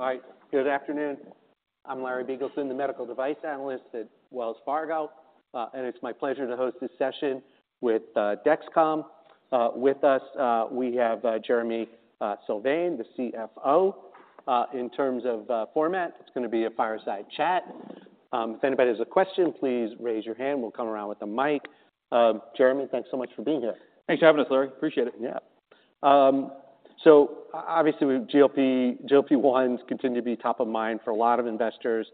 All right, good afternoon. I'm Larry Biegelsen, the medical device analyst at Wells Fargo, and it's my pleasure to host this session with Dexcom. With us, we have Jereme Sylvain, the CFO. In terms of format, it's going to be a fireside chat. If anybody has a question, please raise your hand. We'll come around with the mic. Jeremy, thanks so much for being here. Thanks for having us, Larry. Appreciate it. Yeah. So obviously, with GLP-1s continue to be top of mind for a lot of investors.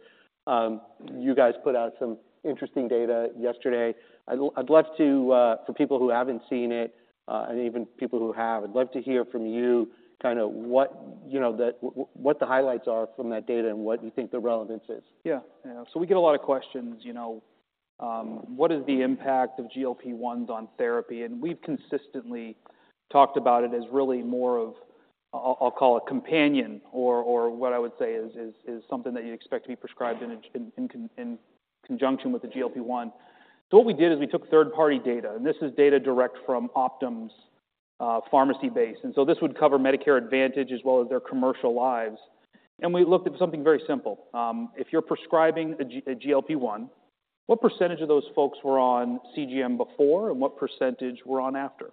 You guys put out some interesting data yesterday. I'd love to, for people who haven't seen it, and even people who have, hear from you kind of what, you know, the highlights are from that data and what you think the relevance is. Yeah. Yeah. So we get a lot of questions, you know, what is the impact of GLP-1s on therapy? And we've consistently talked about it as really more of, I'll call it companion, or what I would say is something that you expect to be prescribed in conjunction with the GLP-1. So what we did is we took third-party data, and this is data direct from Optum's pharmacy base. And so this would cover Medicare Advantage as well as their commercial lines. And we looked at something very simple. If you're prescribing a GLP-1, what percentage of those folks were on CGM before, and what percentage were on after?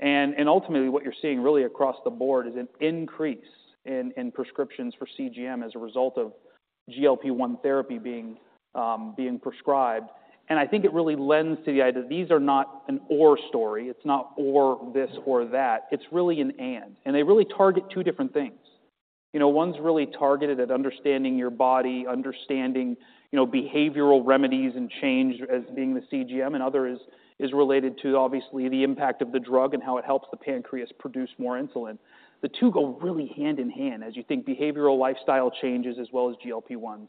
And ultimately, what you're seeing really across the board is an increase in prescriptions for CGM as a result of GLP-1 therapy being prescribed. I think it really lends to the idea, these are not an or story. It's not or this or that. It's really an and, and they really target two different things. You know, one's really targeted at understanding your body, understanding, you know, behavioral remedies and change as being the CGM, and other is related to, obviously, the impact of the drug and how it helps the pancreas produce more insulin. The two go really hand in hand as you think behavioral lifestyle changes as well as GLP-1s.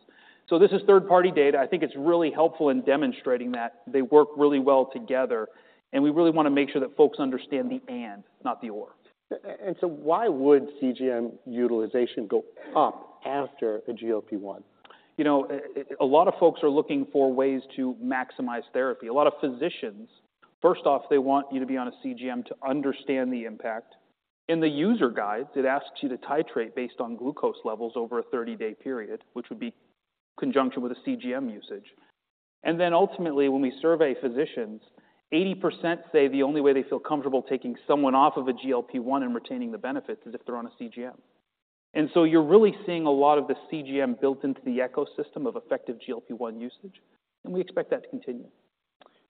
This is third-party data. I think it's really helpful in demonstrating that they work really well together, and we really want to make sure that folks understand the and, not the or. And so why would CGM utilization go up after a GLP-1? You know, a lot of folks are looking for ways to maximize therapy. A lot of physicians, first off, they want you to be on a CGM to understand the impact. In the user guide, it asks you to titrate based on glucose levels over a 30-day period, which would be in conjunction with a CGM usage. And then ultimately, when we survey physicians, 80% say the only way they feel comfortable taking someone off of a GLP-1 and retaining the benefits is if they're on a CGM. And so you're really seeing a lot of the CGM built into the ecosystem of effective GLP-1 usage, and we expect that to continue.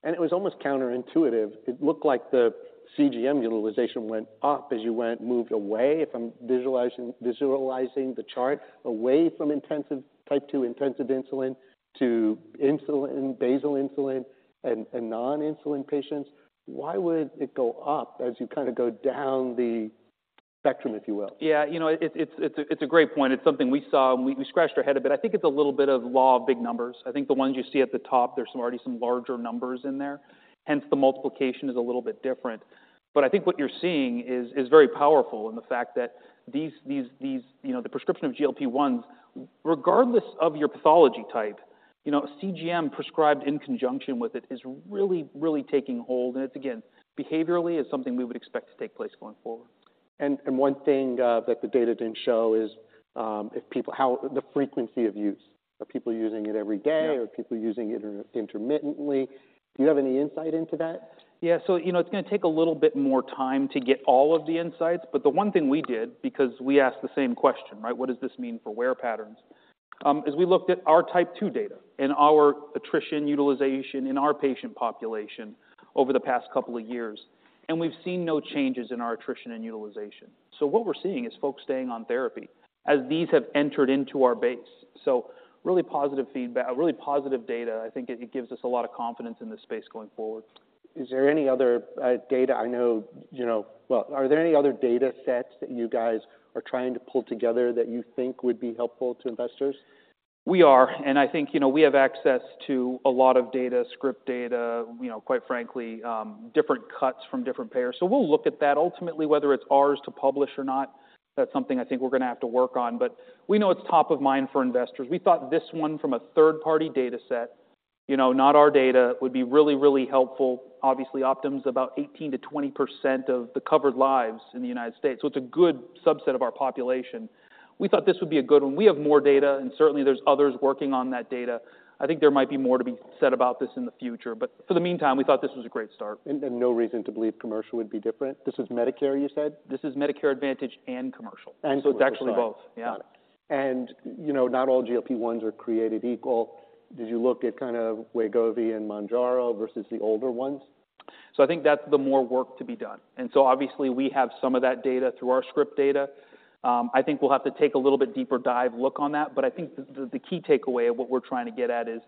It was almost counterintuitive. It looked like the CGM utilization went up as you went, moved away from visualizing, visualizing the chart, away from intensive, Type 2 intensive insulin to insulin, basal insulin and, and non-insulin patients. Why would it go up as you kind of go down the spectrum, if you will? Yeah, you know, it's a great point. It's something we saw, and we scratched our head a bit. I think it's a little bit of law of big numbers. I think the ones you see at the top, there's already some larger numbers in there, hence the multiplication is a little bit different. But I think what you're seeing is very powerful in the fact that these, you know, the prescription of GLP-1s, regardless of your pathology type, you know, CGM prescribed in conjunction with it is really, really taking hold. And it's, again, behaviorally, something we would expect to take place going forward. And one thing that the data didn't show is if people... How the frequency of use. Are people using it every day? Yeah. Are people using it intermittently? Do you have any insight into that? Yeah. So, you know, it's going to take a little bit more time to get all of the insights. But the one thing we did, because we asked the same question, right? What does this mean for wear patterns? Is we looked at our Type 2 data and our attrition utilization in our patient population over the past couple of years, and we've seen no changes in our attrition and utilization. So what we're seeing is folks staying on therapy as these have entered into our base. So really positive feedback, really positive data. I think it gives us a lot of confidence in this space going forward. Is there any other data? I know, you know... Well, are there any other data sets that you guys are trying to pull together that you think would be helpful to investors? We are, and I think, you know, we have access to a lot of data, script data, you know, quite frankly, different cuts from different payers. So we'll look at that. Ultimately, whether it's ours to publish or not, that's something I think we're going to have to work on. But we know it's top of mind for investors. We thought this one from a third-party data set, you know, not our data, would be really, really helpful. Obviously, Optum's about 18%-20% of the covered lives in the United States, so it's a good subset of our population. We thought this would be a good one. We have more data, and certainly there's others working on that data. I think there might be more to be said about this in the future, but for the meantime, we thought this was a great start. No reason to believe commercial would be different. This is Medicare, you said? This is Medicare Advantage and commercial. And commercial. It's actually both. Yeah. Got it. You know, not all GLP-1s are created equal. Did you look at kind of Wegovy and Mounjaro versus the older ones? I think there's more work to be done. And so obviously, we have some of that data through our script data. I think we'll have to take a little bit deeper dive look on that. But I think the, the key takeaway of what we're trying to get at is...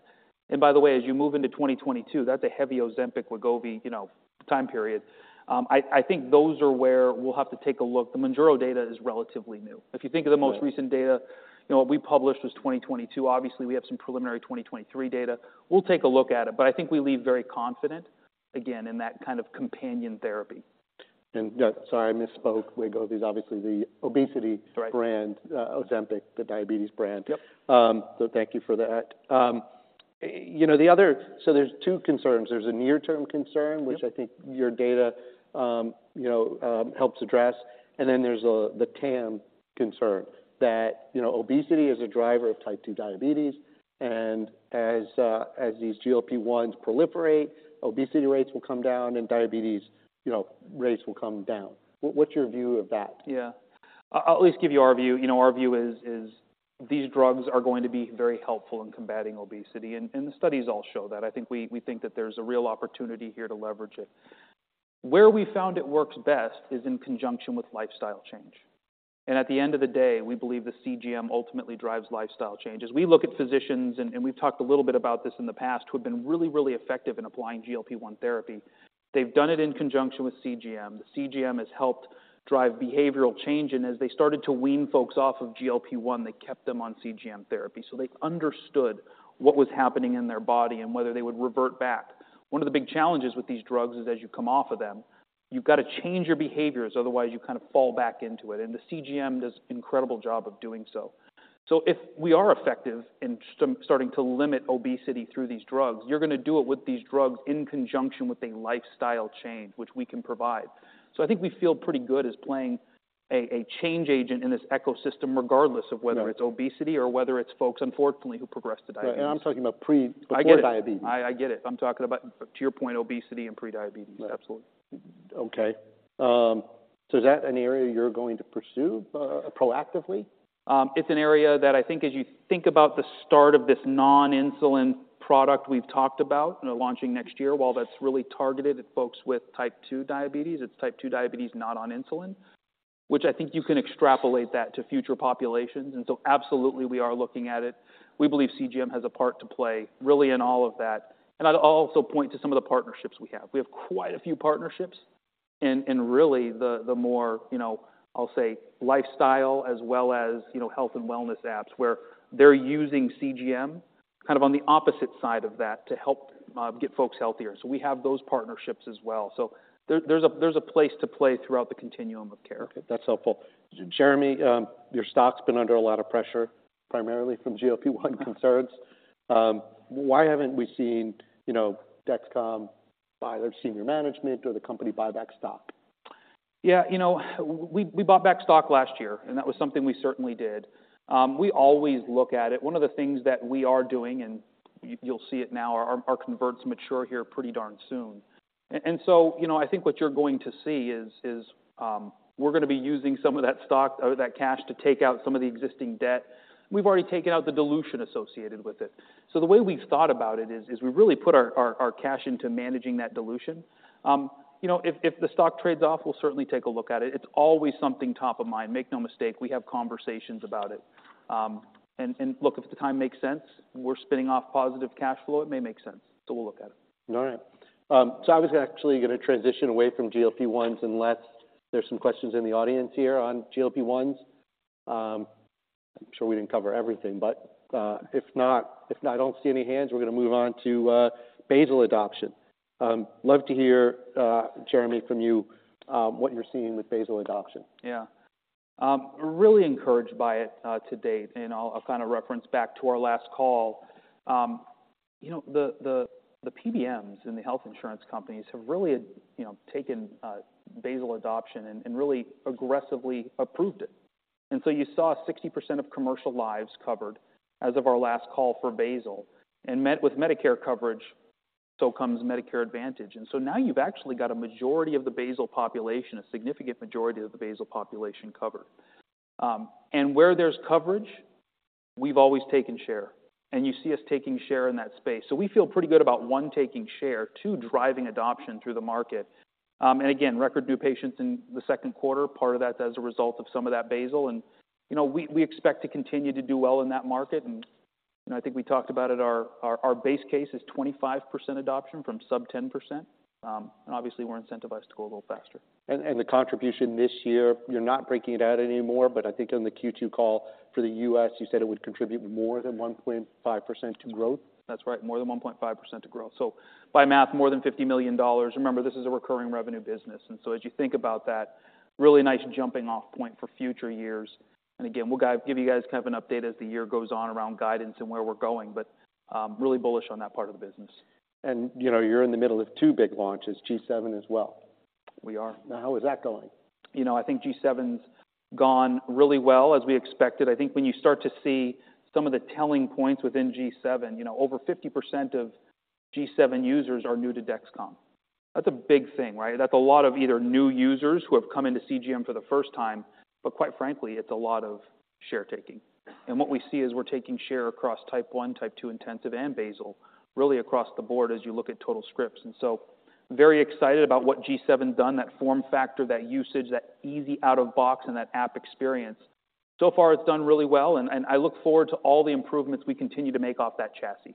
And by the way, as you move into 2022, that's a heavy Ozempic, Wegovy, you know, time period. I think those are where we'll have to take a look. The Mounjaro data is relatively new. Yeah. If you think of the most recent data, you know, what we published was 2022. Obviously, we have some preliminary 2023 data. We'll take a look at it, but I think we leave very confident, again, in that kind of companion therapy. Yeah, sorry, I misspoke. Wegovy is obviously the obesity- Right - Brand, Ozempic, the diabetes brand. Yep. Thank you for that. You know, the other, so there's two concerns. There's a near-term concern. Yep. Which I think your data, you know, helps address, and then there's the TAM concern, that, you know, obesity is a driver of Type 2 diabetes, and as these GLP-1s proliferate, obesity rates will come down and diabetes, you know, rates will come down. What's your view of that? Yeah. I'll at least give you our view. You know, our view is these drugs are going to be very helpful in combating obesity, and the studies all show that. I think we think that there's a real opportunity here to leverage it. Where we found it works best is in conjunction with lifestyle change. At the end of the day, we believe the CGM ultimately drives lifestyle changes. We look at physicians, and we've talked a little bit about this in the past, who have been really, really effective in applying GLP-1 therapy. They've done it in conjunction with CGM. The CGM has helped drive behavioral change, and as they started to wean folks off of GLP-1, they kept them on CGM therapy, so they understood what was happening in their body and whether they would revert back. One of the big challenges with these drugs is as you come off of them, you've got to change your behaviors, otherwise you kind of fall back into it, and the CGM does an incredible job of doing so. So if we are effective in starting to limit obesity through these drugs, you're going to do it with these drugs in conjunction with a lifestyle change, which we can provide. So I think we feel pretty good as a change agent in this ecosystem, regardless of whether- Right. It's obesity or whether it's folks, unfortunately, who progress to diabetes. I'm talking about pre, before diabetes. I get it. I, I get it. I'm talking about, to your point, obesity and prediabetes. Right. Absolutely. Okay. So is that an area you're going to pursue proactively? It's an area that I think as you think about the start of this non-insulin product we've talked about, you know, launching next year, while that's really targeted at folks with Type 2 diabetes, it's Type 2 diabetes, not on insulin, which I think you can extrapolate that to future populations. And so absolutely, we are looking at it. We believe CGM has a part to play really in all of that. And I'd also point to some of the partnerships we have. We have quite a few partnerships, and really the more, you know, I'll say, lifestyle as well as, you know, health and wellness apps, where they're using CGM kind of on the opposite side of that to help get folks healthier. So we have those partnerships as well. So there, there's a place to play throughout the continuum of care. Okay, that's helpful. Jeremy, your stock's been under a lot of pressure, primarily from GLP-1 concerns. Why haven't we seen, you know, Dexcom buy their senior management or the company buy back stock? Yeah, you know, we bought back stock last year, and that was something we certainly did. We always look at it. One of the things that we are doing, and you, you'll see it now, our converts mature here pretty darn soon. And so, you know, I think what you're going to see is, we're going to be using some of that stock or that cash to take out some of the existing debt. We've already taken out the dilution associated with it. So the way we've thought about it is we really put our cash into managing that dilution. You know, if the stock trades off, we'll certainly take a look at it. It's always something top of mind. Make no mistake, we have conversations about it. Look, if the time makes sense, we're spinning off positive cash flow. It may make sense, so we'll look at it. All right. So I was actually going to transition away from GLP-1s unless there's some questions in the audience here on GLP-1s. I'm sure we didn't cover everything, but if not, if I don't see any hands, we're going to move on to basal adoption. Love to hear, Jeremy, from you what you're seeing with basal adoption. Yeah. Really encouraged by it, to date, and I'll kind of reference back to our last call. You know, the PBMs and the health insurance companies have really taken basal adoption and really aggressively approved it. And so you saw 60% of commercial lives covered as of our last call for basal, and with Medicare coverage, so comes Medicare Advantage. And so now you've actually got a majority of the basal population, a significant majority of the basal population covered. And where there's coverage, we've always taken share, and you see us taking share in that space. So we feel pretty good about, one, taking share, two, driving adoption through the market. And again, record new patients in the second quarter. Part of that as a result of some of that basal. You know, we expect to continue to do well in that market, and, you know, I think we talked about it. Our base case is 25% adoption from sub 10%. Obviously, we're incentivized to go a little faster. The contribution this year, you're not breaking it out anymore, but I think on the Q2 call for the U.S., you said it would contribute more than 1.5% to growth? That's right, more than 1.5% to growth. So by math, more than $50 million. Remember, this is a recurring revenue business, and so as you think about that, really nice jumping off point for future years. And again, we'll give you guys kind of an update as the year goes on around guidance and where we're going, but really bullish on that part of the business. You know, you're in the middle of two big launches, G7 as well. We are. Now, how is that going? You know, I think G7's gone really well, as we expected. I think when you start to see some of the telling points within G7, you know, over 50% of G7 users are new to Dexcom. That's a big thing, right? That's a lot of either new users who have come into CGM for the first time, but quite frankly, it's a lot of share taking. And what we see is we're taking share across Type 1, Type 2, intensive, and basal, really across the board as you look at total scripts. And so very excited about what G7's done, that form factor, that usage, that easy out-of-box and that app experience. So far, it's done really well, and, and I look forward to all the improvements we continue to make off that chassis.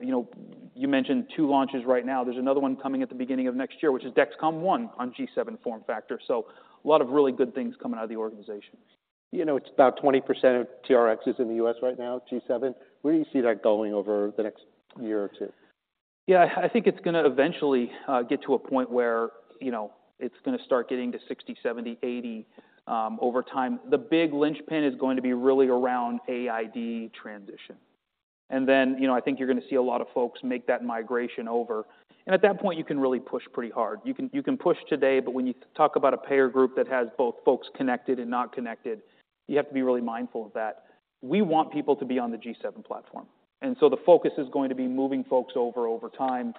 You know, you mentioned two launches right now. There's another one coming at the beginning of next year, which is Dexcom ONE on G7 form factor. A lot of really good things coming out of the organization. You know, it's about 20% of TRXs in the U.S. right now, G7. Where do you see that going over the next year or two?... Yeah, I think it's gonna eventually get to a point where, you know, it's gonna start getting to 60, 70, 80 over time. The big linchpin is going to be really around AID transition. And then, you know, I think you're gonna see a lot of folks make that migration over, and at that point, you can really push pretty hard. You can push today, but when you talk about a payer group that has both folks connected and not connected, you have to be really mindful of that. We want people to be on the G7 platform, and so the focus is going to be moving folks over time.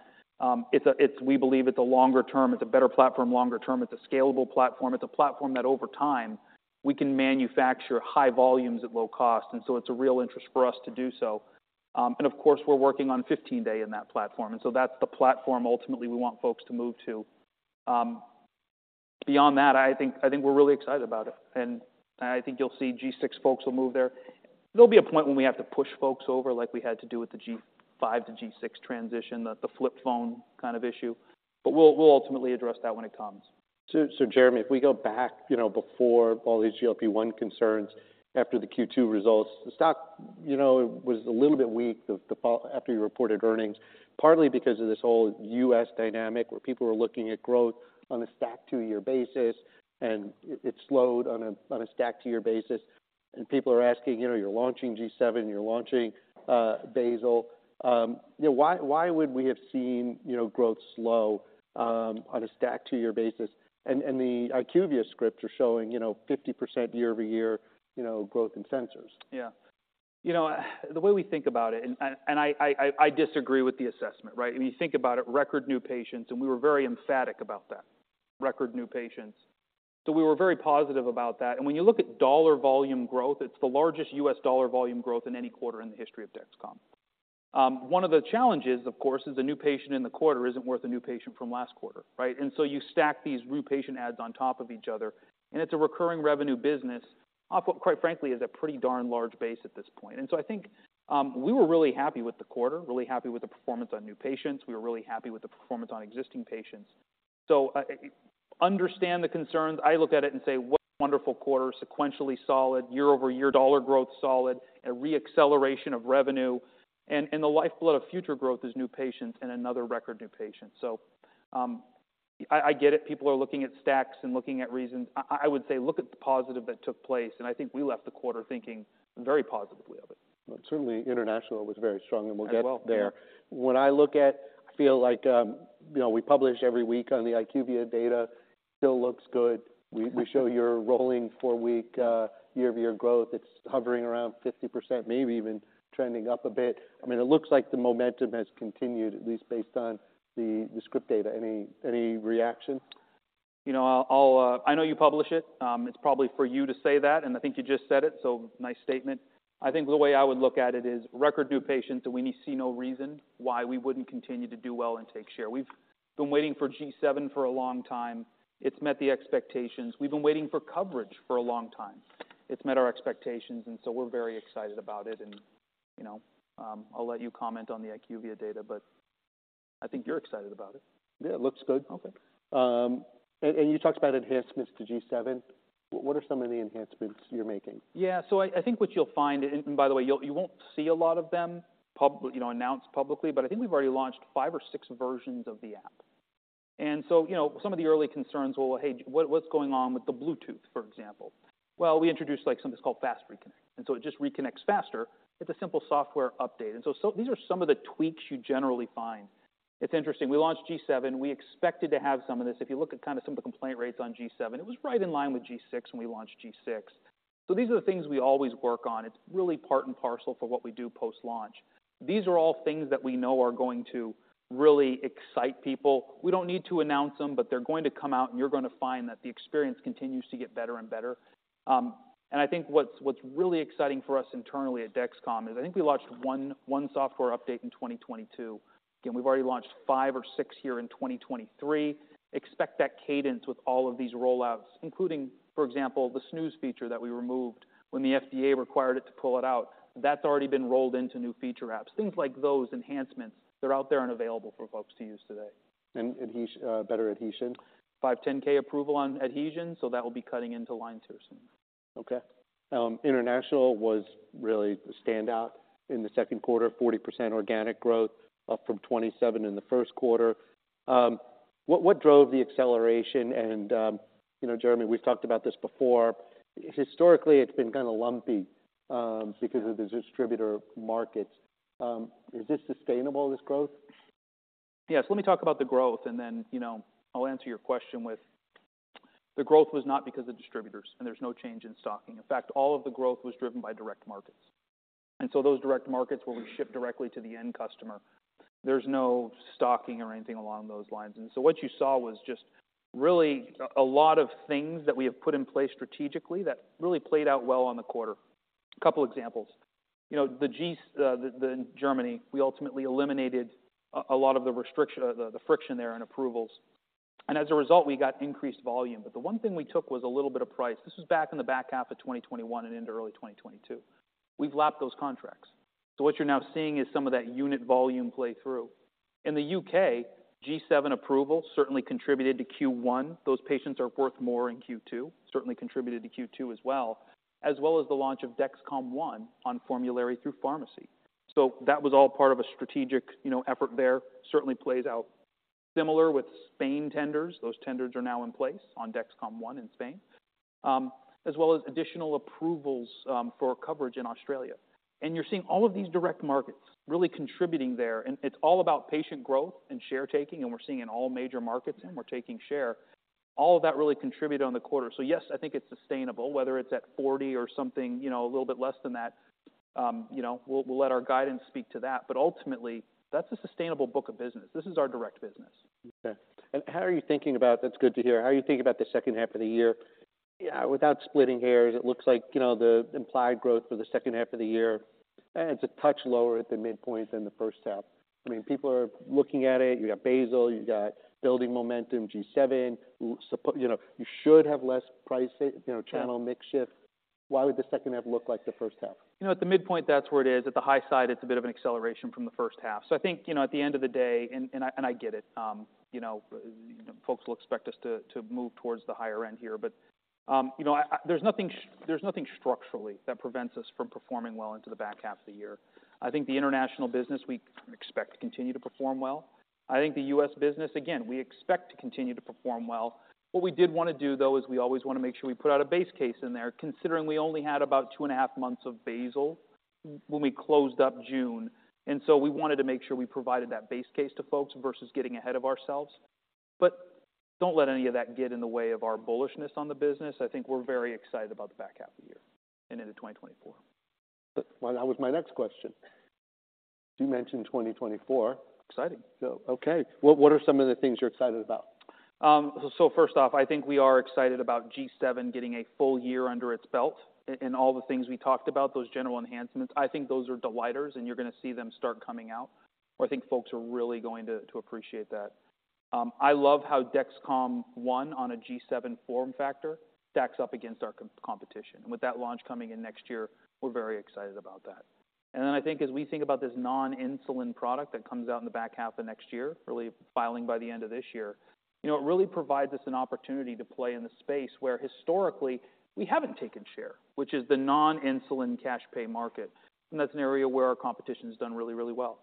We believe it's a longer term. It's a better platform, longer term. It's a scalable platform. It's a platform that over time, we can manufacture high volumes at low cost, and so it's a real interest for us to do so. And of course, we're working on 15-day in that platform, and so that's the platform ultimately we want folks to move to. Beyond that, I think, I think we're really excited about it, and I think you'll see G6 folks will move there. There'll be a point when we have to push folks over, like we had to do with the G5 to G6 transition, the flip phone kind of issue, but we'll ultimately address that when it comes. Jeremy, if we go back, you know, before all these GLP-1 concerns, after the Q2 results, the stock, you know, was a little bit weak after you reported earnings, partly because of this whole U.S. dynamic, where people were looking at growth on a stack two-year basis, and it slowed on a stack two-year basis. And people are asking, you know, you're launching G7, you're launching basal. You know, why would we have seen, you know, growth slow on a stack two-year basis? And the IQVIA scripts are showing, you know, 50% year-over-year, you know, growth in sensors. Yeah. You know, the way we think about it, and I disagree with the assessment, right? When you think about it, record new patients, and we were very emphatic about that. Record new patients. So we were very positive about that. And when you look at dollar volume growth, it's the largest U.S. dollar volume growth in any quarter in the history of Dexcom. One of the challenges, of course, is a new patient in the quarter isn't worth a new patient from last quarter, right? And so you stack these new patient adds on top of each other, and it's a recurring revenue business, quite frankly, is a pretty darn large base at this point. And so I think, we were really happy with the quarter, really happy with the performance on new patients. We were really happy with the performance on existing patients. So I understand the concerns. I look at it and say, "What a wonderful quarter, sequentially solid, year-over-year dollar growth solid, a re-acceleration of revenue," and the lifeblood of future growth is new patients and another record new patients. So, I get it. People are looking at stacks and looking at reasons. I, I would say look at the positive that took place, and I think we left the quarter thinking very positively of it. Well, certainly international was very strong, and we'll- As well. -Get there. When I look at... I feel like, you know, we publish every week on the IQVIA data, still looks good. Mm-hmm. We show your rolling four-week year-over-year growth. It's hovering around 50%, maybe even trending up a bit. I mean, it looks like the momentum has continued, at least based on the script data. Any reaction? You know, I'll. I know you publish it. It's probably for you to say that, and I think you just said it, so nice statement. I think the way I would look at it is, record new patients, and we see no reason why we wouldn't continue to do well and take share. We've been waiting for G7 for a long time. It's met the expectations. We've been waiting for coverage for a long time. It's met our expectations, and so we're very excited about it and, you know, I'll let you comment on the IQVIA data, but I think you're excited about it. Yeah, it looks good. Okay. You talked about enhancements to G7. What are some of the enhancements you're making? Yeah. So I think what you'll find, and by the way, you'll, you won't see a lot of them public, you know, announced publicly, but I think we've already launched five or six versions of the app. And so, you know, some of the early concerns, "Well, hey, what's going on with the Bluetooth," for example? Well, we introduced, like, something called Fast Reconnect, and so it just reconnects faster. It's a simple software update, and so, so these are some of the tweaks you generally find. It's interesting. We launched G7. We expected to have some of this. If you look at kind of some of the complaint rates on G7, it was right in line with G6 when we launched G6. So these are the things we always work on. It's really part and parcel for what we do post-launch. These are all things that we know are going to really excite people. We don't need to announce them, but they're going to come out, and you're going to find that the experience continues to get better and better. And I think what's really exciting for us internally at Dexcom is I think we launched one software update in 2022. Again, we've already launched five or six here in 2023. Expect that cadence with all of these rollouts, including, for example, the snooze feature that we removed when the FDA required it to pull it out. That's already been rolled into new feature apps. Things like those, enhancements, they're out there and available for folks to use today. Better adhesion? 510(k) approval on adhesion, so that will be cutting into line two soon. Okay. International was really the standout in the second quarter, 40% organic growth, up from 27 in the first quarter. What drove the acceleration? And, you know, Jeremy, we've talked about this before. Historically, it's been kind of lumpy, because of the distributor markets. Is this sustainable, this growth? Yes. Let me talk about the growth, and then, you know, I'll answer your question with... The growth was not because of distributors, and there's no change in stocking. In fact, all of the growth was driven by direct markets. And so those direct markets where we ship directly to the end customer, there's no stocking or anything along those lines. And so what you saw was just really a lot of things that we have put in place strategically that really played out well on the quarter. A couple examples. You know, the Germany, we ultimately eliminated a lot of the restriction, or the friction there in approvals, and as a result, we got increased volume. But the one thing we took was a little bit of price. This was back in the back half of 2021 and into early 2022. We've lapped those contracts, so what you're now seeing is some of that unit volume play through. In the U.K., G7 approval certainly contributed to Q1. Those patients are worth more in Q2, certainly contributed to Q2 as well, as well as the launch of Dexcom ONE on formulary through pharmacy. So that was all part of a strategic, you know, effort there. Certainly plays out similar with Spain tenders. Those tenders are now in place on Dexcom ONE in Spain, as well as additional approvals for coverage in Australia. And you're seeing all of these direct markets really contributing there, and it's all about patient growth and share taking, and we're seeing in all major markets, and we're taking share. All of that really contributed on the quarter. So yes, I think it's sustainable, whether it's at 40 or something, you know, a little bit less than that, you know, we'll let our guidance speak to that. But ultimately, that's a sustainable book of business. This is our direct business. Okay. And how are you thinking about? That's good to hear. How are you thinking about the second half of the year? Yeah, without splitting hairs, it looks like, you know, the implied growth for the second half of the year, eh, it's a touch lower at the midpoint than the first half. I mean, people are looking at it. You got basal, you got building momentum, G7, you know, you should have less price, you know, channel mix shift. Why would the second half look like the first half? You know, at the midpoint, that's where it is. At the high side, it's a bit of an acceleration from the first half. So I think, you know, at the end of the day, and I get it, you know, folks will expect us to move towards the higher end here. But, you know, I, there's nothing structurally that prevents us from performing well into the back half of the year. I think the international business we expect to continue to perform well. I think the U.S. business, again, we expect to continue to perform well. What we did want to do, though, is we always want to make sure we put out a base case in there, considering we only had about two and a half months of basal when we closed up June. So we wanted to make sure we provided that base case to folks versus getting ahead of ourselves. Don't let any of that get in the way of our bullishness on the business. I think we're very excited about the back half of the year and into 2024. Well, that was my next question. You mentioned 2024. Exciting. Okay, what are some of the things you're excited about? So first off, I think we are excited about G7 getting a full year under its belt and all the things we talked about, those general enhancements. I think those are delighters, and you're going to see them start coming out. I think folks are really going to appreciate that. I love how Dexcom ONE on a G7 form factor stacks up against our competition. And with that launch coming in next year, we're very excited about that. And then I think as we think about this non-insulin product that comes out in the back half of next year, really filing by the end of this year, you know, it really provides us an opportunity to play in the space where historically we haven't taken share, which is the non-insulin cash pay market. And that's an area where our competition has done really, really well.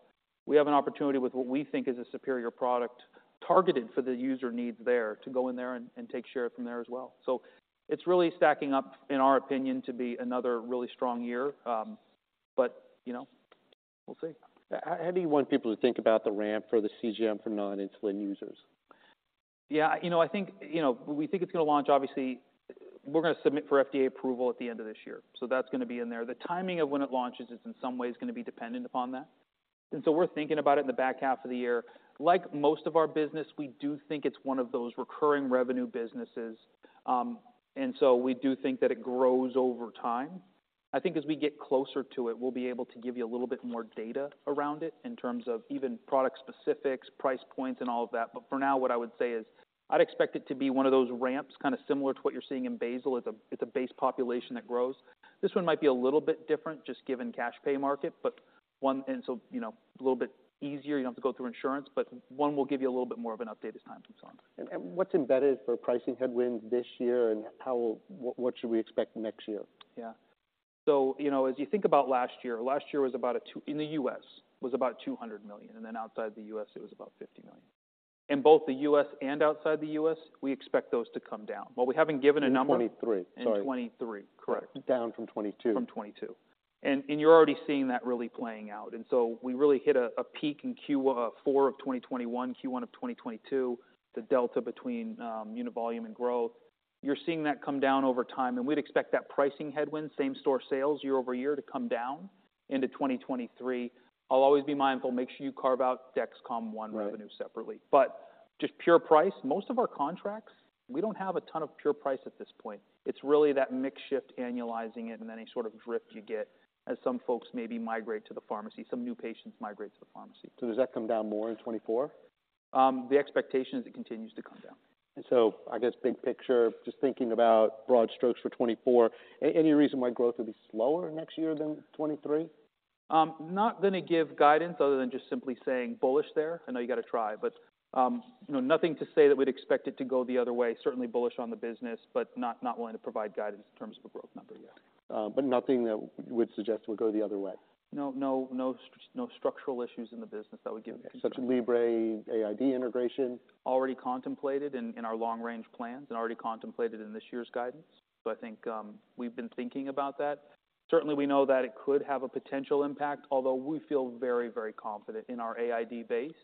We have an opportunity with what we think is a superior product, targeted for the user needs there, to go in there and take share from there as well. So it's really stacking up, in our opinion, to be another really strong year. But, you know, we'll see. How do you want people to think about the ramp for the CGM for non-insulin users? Yeah, you know, I think, you know, we think it's going to launch. Obviously, we're going to submit for FDA approval at the end of this year, so that's going to be in there. The timing of when it launches is in some ways going to be dependent upon that, and so we're thinking about it in the back half of the year. Like most of our business, we do think it's one of those recurring revenue businesses, and so we do think that it grows over time. I think as we get closer to it, we'll be able to give you a little bit more data around it in terms of even product specifics, price points, and all of that. But for now, what I would say is I'd expect it to be one of those ramps, kind of similar to what you're seeing in basal. It's a base population that grows. This one might be a little bit different, just given cash pay market, but one—and so, you know, a little bit easier. You don't have to go through insurance, but one, we'll give you a little bit more of an update as time goes on. What's embedded for pricing headwinds this year, and how—what should we expect next year? Yeah. So, you know, as you think about last year, last year was about $200 million in the U.S., and then outside the U.S., it was about $50 million. In both the U.S. and outside the U.S., we expect those to come down. Well, we haven't given a number- In 2023, sorry. In 2023, correct. Down from 2022. From 2022. And, and you're already seeing that really playing out. And so we really hit a peak in Q4 of 2021, Q1 of 2022, the delta between unit volume and growth. You're seeing that come down over time, and we'd expect that pricing headwind, same store sales year-over-year, to come down into 2023. I'll always be mindful, make sure you carve out Dexcom ONE revenue separately. Right. But just pure price, most of our contracts, we don't have a ton of pure price at this point. It's really that mix shift, annualizing it, and any sort of drift you get as some folks maybe migrate to the pharmacy, some new patients migrate to the pharmacy. Does that come down more in 2024? The expectation is it continues to come down. So I guess big picture, just thinking about broad strokes for 2024, any reason why growth would be slower next year than 2023? Not going to give guidance other than just simply saying bullish there. I know you got to try, but, you know, nothing to say that we'd expect it to go the other way. Certainly bullish on the business, but not, not willing to provide guidance in terms of a growth number yet. But nothing that would suggest it would go the other way? No, no, no, no structural issues in the business that would give- Such as Libre, AID integration? Already contemplated in our long-range plans and already contemplated in this year's guidance. So I think, we've been thinking about that. Certainly, we know that it could have a potential impact, although we feel very, very confident in our AID base,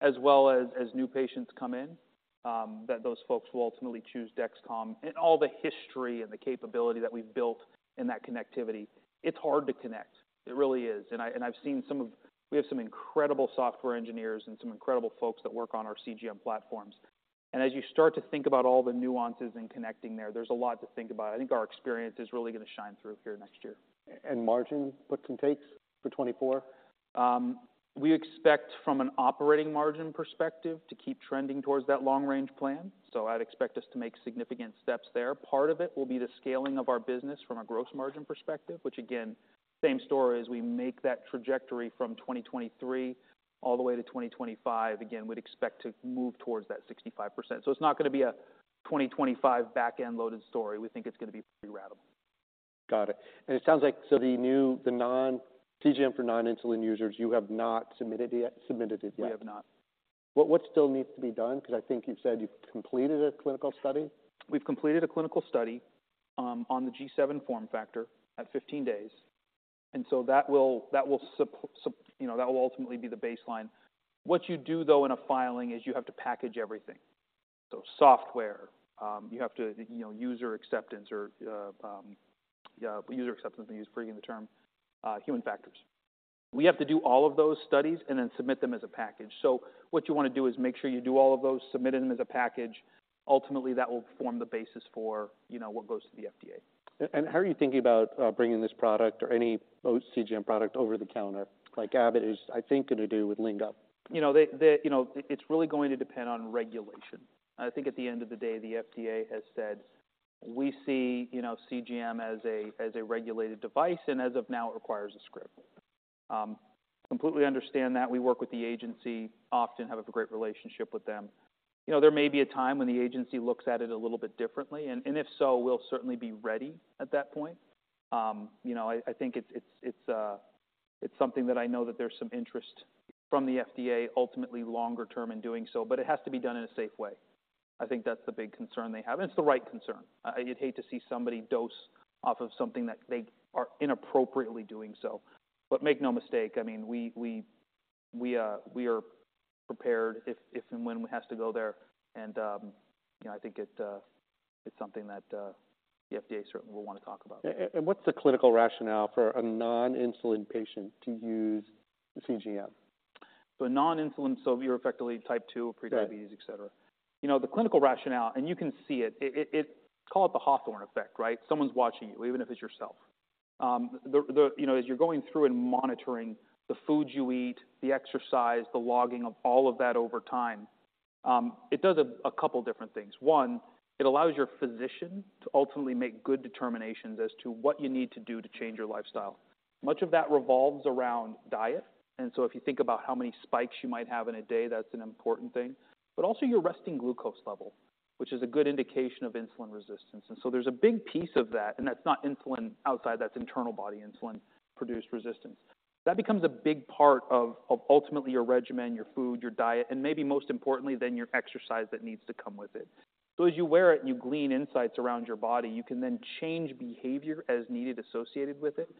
as well as new patients come in, that those folks will ultimately choose Dexcom. And all the history and the capability that we've built in that connectivity, it's hard to connect. It really is. And I've seen some of— We have some incredible software engineers and some incredible folks that work on our CGM platforms. And as you start to think about all the nuances in connecting there, there's a lot to think about. I think our experience is really going to shine through here next year. Margin, what can takes for 2024? We expect from an operating margin perspective to keep trending towards that long-range plan. So I'd expect us to make significant steps there. Part of it will be the scaling of our business from a gross margin perspective, which again, same story as we make that trajectory from 2023 all the way to 2025. Again, we'd expect to move towards that 65%. So it's not going to be a 2025 back-end-loaded story. We think it's going to be pretty ratable.... Got it. And it sounds like, so the non-CGM for non-insulin users, you have not submitted it yet? We have not. What, what still needs to be done? Because I think you've said you've completed a clinical study. We've completed a clinical study on the G7 form factor at 15 days, and so that will, that will support—you know, that will ultimately be the baseline. What you do, though, in a filing is you have to package everything. So software, you have to, you know, user acceptance or user acceptance, I use bringing the term human factors. We have to do all of those studies and then submit them as a package. So what you want to do is make sure you do all of those, submit them as a package. Ultimately, that will form the basis for, you know, what goes to the FDA. How are you thinking about bringing this product or any CGM product over the counter? Like, Abbott is, I think, going to do with Linkup. You know, it's really going to depend on regulation. I think at the end of the day, the FDA has said, "We see, you know, CGM as a regulated device, and as of now, it requires a script." I completely understand that. We work with the agency and often have a great relationship with them. You know, there may be a time when the agency looks at it a little bit differently, and if so, we'll certainly be ready at that point. You know, I think it's something that I know that there's some interest from the FDA, ultimately longer term, in doing so, but it has to be done in a safe way. I think that's the big concern they have, and it's the right concern. I'd hate to see somebody dose off of something that they are inappropriately doing so. But make no mistake, I mean, we are prepared if and when it has to go there. You know, I think it's something that the FDA certainly will want to talk about. What's the clinical rationale for a non-insulin patient to use the CGM? So a non-insulin, so you're effectively Type 2, prediabetes. Right... Et cetera. You know, the clinical rationale, and you can see it, it's called the Hawthorne effect, right? Someone's watching you, even if it's yourself. You know, as you're going through and monitoring the foods you eat, the exercise, the logging of all of that over time, it does a couple different things. One, it allows your physician to ultimately make good determinations as to what you need to do to change your lifestyle. Much of that revolves around diet, and so if you think about how many spikes you might have in a day, that's an important thing. But also your resting glucose level, which is a good indication of insulin resistance. And so there's a big piece of that, and that's not insulin outside, that's internal body insulin-produced resistance. That becomes a big part of ultimately your regimen, your food, your diet, and maybe most importantly, then your exercise that needs to come with it. So as you wear it and you glean insights around your body, you can then change behavior as needed associated with it.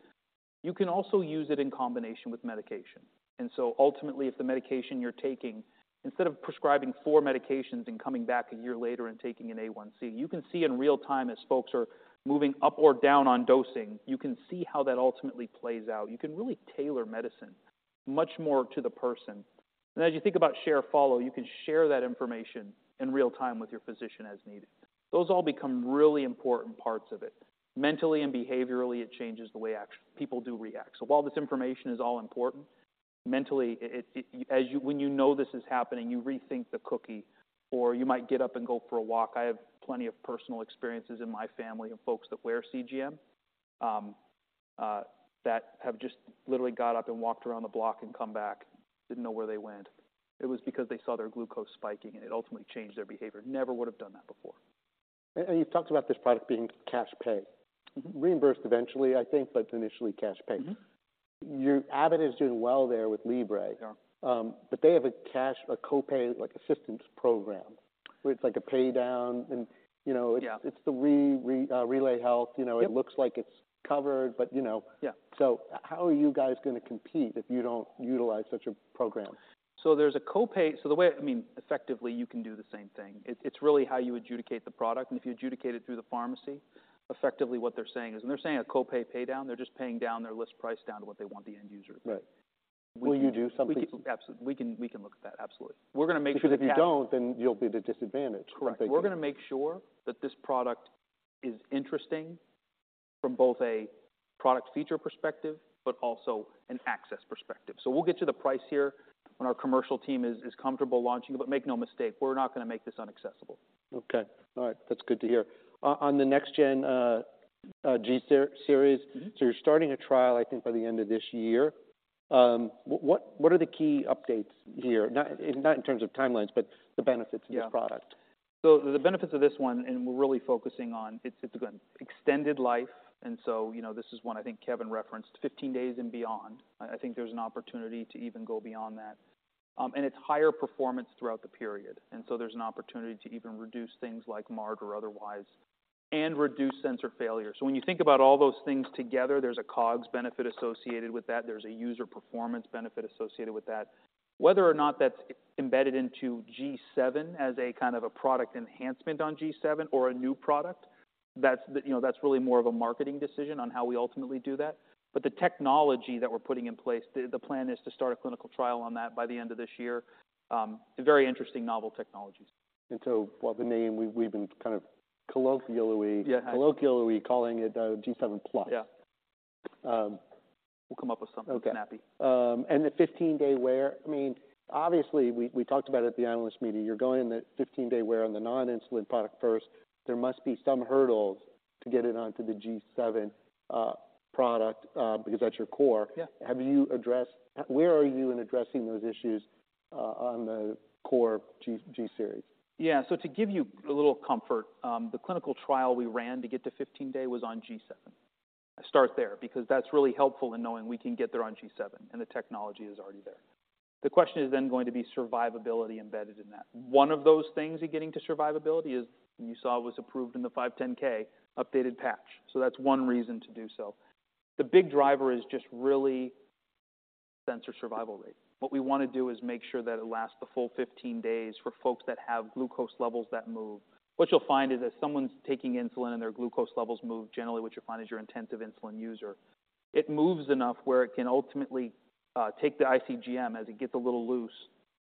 You can also use it in combination with medication. And so ultimately, if the medication you're taking, instead of prescribing four medications and coming back a year later and taking an A1C, you can see in real time as folks are moving up or down on dosing, you can see how that ultimately plays out. You can really tailor medicine much more to the person. And as you think about Share, Follow, you can share that information in real time with your physician as needed. Those all become really important parts of it. Mentally and behaviorally, it changes the way people do react. So while this information is all important, mentally, it as when you know this is happening, you rethink the cookie, or you might get up and go for a walk. I have plenty of personal experiences in my family of folks that wear CGM that have just literally got up and walked around the block and come back. Didn't know where they went. It was because they saw their glucose spiking, and it ultimately changed their behavior. Never would have done that before. You've talked about this product being cash pay. Reimbursed eventually, I think, but initially cash pay. Mm-hmm. Your Abbott is doing well there with Libre. Yeah. But they have a cash, a co-pay, like, assistance program, where it's like a pay down and, you know- Yeah... It's the RelayHealth. Yep. You know, it looks like it's covered, but you know. Yeah. How are you guys gonna compete if you don't utilize such a program? So there's a co-pay. So the way... I mean, effectively, you can do the same thing. It, it's really how you adjudicate the product. And if you adjudicate it through the pharmacy, effectively what they're saying is, and they're saying a co-pay pay down, they're just paying down their list price down to what they want the end user to be. Right. Will you do something? Absolutely. We can, we can look at that, absolutely. We're gonna make sure- Because if you don't, then you'll be at a disadvantage. Correct. I think. We're gonna make sure that this product is interesting from both a product feature perspective, but also an access perspective. So we'll get to the price here when our commercial team is comfortable launching it. But make no mistake, we're not gonna make this unaccessible. Okay. All right. That's good to hear. On the next gen, G series- Mm-hmm... So you're starting a trial, I think, by the end of this year. What, what are the key updates here? Not in, not in terms of timelines, but the benefits of this product. Yeah. So the benefits of this one, and we're really focusing on, it's extended life, and so, you know, this is one I think Kevin referenced, 15 days and beyond. I think there's an opportunity to even go beyond that. And it's higher performance throughout the period, and so there's an opportunity to even reduce things like MARD or otherwise, and reduce sensor failure. So when you think about all those things together, there's a COGS benefit associated with that. There's a user performance benefit associated with that. Whether or not that's embedded into G7 as a kind of a product enhancement on G7 or a new product, that's the, you know, that's really more of a marketing decision on how we ultimately do that. But the technology that we're putting in place, the plan is to start a clinical trial on that by the end of this year. A very interesting novel technologies. Well, the name we've been kind of colloquially- Yeah... Colloquially calling it G7 Plus. Yeah. Um. We'll come up with something snappy. Okay. And the 15-day wear, I mean, obviously, we talked about it at the analyst meeting. You're going in the 15-day wear on the non-insulin product first. There must be some hurdles to get it onto the G7 product, because that's your core. Yeah. Have you addressed where you are in addressing those issues on the core G7 series? Yeah. So to give you a little comfort, the clinical trial we ran to get to 15-day was on G7. Start there, because that's really helpful in knowing we can get there on G7, and the technology is already there. The question is then going to be survivability embedded in that. One of those things in getting to survivability is, and you saw it was approved in the 510(k), updated patch. So that's one reason to do so. The big driver is just really sensor survival rate. What we want to do is make sure that it lasts the full 15 days for folks that have glucose levels that move. What you'll find is, if someone's taking insulin and their glucose levels move, generally, what you'll find is your intensive insulin user. It moves enough where it can ultimately take the ICGM as it gets a little loose,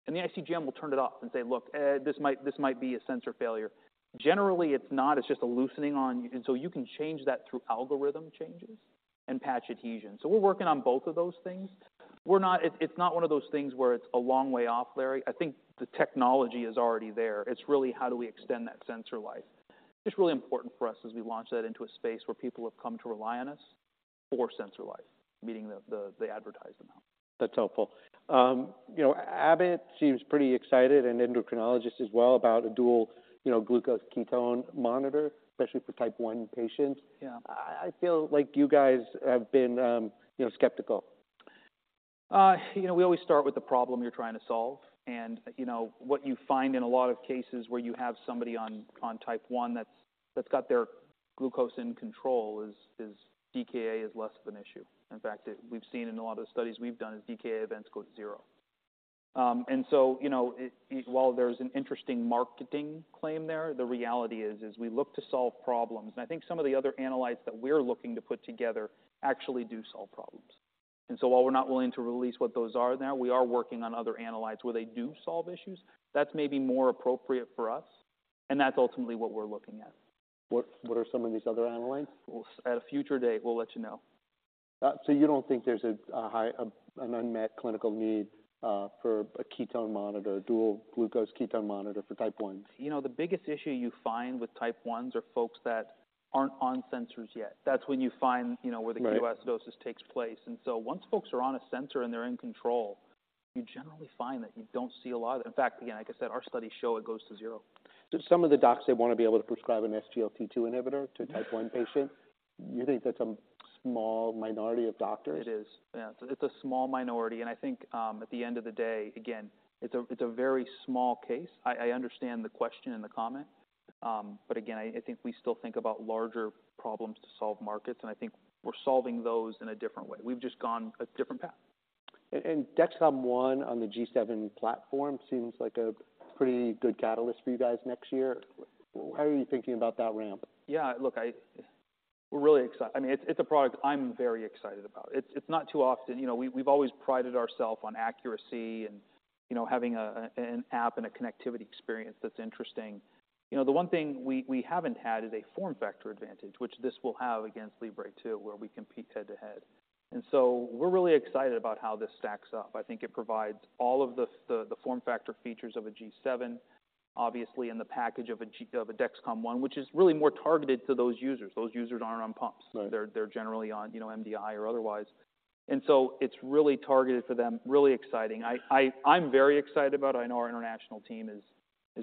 and the ICGM will turn it off and say, "Look, this might be a sensor failure." Generally, it's not. It's just a loosening on, and so you can change that through algorithm changes and patch adhesion. So we're working on both of those things. It's not one of those things where it's a long way off, Larry. I think the technology is already there. It's really, how do we extend that sensor life? It's really important for us as we launch that into a space where people have come to rely on us for sensor life, meaning the advertised amount. That's helpful. You know, Abbott seems pretty excited, and endocrinologists as well, about a dual, you know, glucose ketone monitor, especially for Type 1 patients. Yeah. I feel like you guys have been, you know, skeptical. You know, we always start with the problem you're trying to solve. You know, what you find in a lot of cases where you have somebody on Type 1 that's got their glucose in control is DKA is less of an issue. In fact, we've seen in a lot of the studies we've done is DKA events go to zero. And so, you know, while there's an interesting marketing claim there, the reality is we look to solve problems. And I think some of the other analytes that we're looking to put together actually do solve problems. And so while we're not willing to release what those are now, we are working on other analytes where they do solve issues. That's maybe more appropriate for us, and that's ultimately what we're looking at. What are some of these other analytes? Well, at a future date, we'll let you know. So you don't think there's a high unmet clinical need for a ketone monitor, a dual glucose ketone monitor for Type 1? You know, the biggest issue you find with Type 1s are folks that aren't on sensors yet. That's when you find, you know- Right... Where the ketoacidosis takes place. And so once folks are on a sensor and they're in control, you generally find that you don't see a lot of it. In fact, again, like I said, our studies show it goes to zero. Some of the docs, they want to be able to prescribe an SGLT2 inhibitor to a Type 1 patient. Yeah. You think that's a small minority of doctors? It is, yeah. It's a small minority, and I think, at the end of the day, again, it's a, it's a very small case. I, I understand the question and the comment. But again, I, I think we still think about larger problems to solve markets, and I think we're solving those in a different way. We've just gone a different path. Dexcom ONE on the G7 platform seems like a pretty good catalyst for you guys next year. How are you thinking about that ramp? Yeah, look, I-- we're really excited. I mean, it's a product I'm very excited about. It's not too often... You know, we've always prided ourselves on accuracy and, you know, having an app and a connectivity experience that's interesting. You know, the one thing we haven't had is a form factor advantage, which this will have against Libre 2, where we compete head-to-head. And so we're really excited about how this stacks up. I think it provides all of the form factor features of a G7, obviously, in the package of a Dexcom ONE, which is really more targeted to those users. Those users aren't on pumps. Right. They're generally on, you know, MDI or otherwise. And so it's really targeted for them. Really exciting. I'm very excited about it. I know our international team is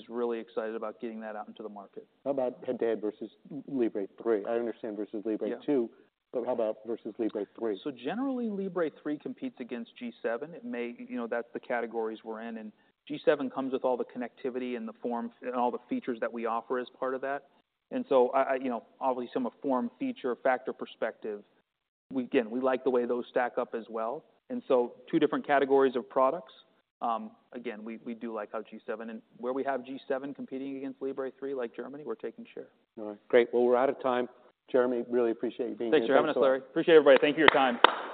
really excited about getting that out into the market. How about head-to-head versus Libre 3? I understand versus Libre 2- Yeah... But how about versus Libre 3? So generally, Libre 3 competes against G7. It may, you know, that's the categories we're in, and G7 comes with all the connectivity and the form and all the features that we offer as part of that. And so I, you know, obviously, from a form, feature, factor, perspective, we, again, we like the way those stack up as well. And so two different categories of products. Again, we do like our G7, and where we have G7 competing against Libre 3, like Germany, we're taking share. All right. Great. Well, we're out of time. Jeremy, really appreciate you being here. Thanks for having us, Larry. Appreciate it, everybody. Thank you for your time.